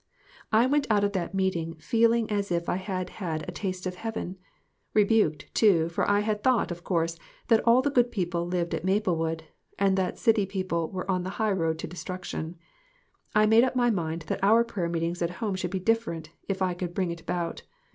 I went out of that meeting feeling as if I had had a taste of heaven ; rebuked, too, for I had thought, of course, that all the good people lived at Maplewood, and that city people were on the high road to destruction. I made up my mind that our prayer meetings at home should be different if I could bring it about.